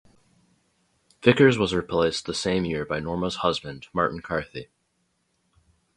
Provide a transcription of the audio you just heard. Vickers was replaced the same year by Norma's husband, Martin Carthy.